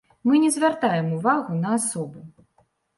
Мы не звяртаем увагу на асобу.